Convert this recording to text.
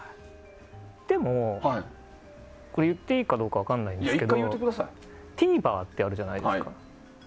でも、これは言っていいかどうか分からないんですけどＴＶｅｒってあるじゃないですか。